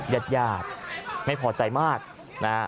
หยาดไม่พอใจมากนะฮะ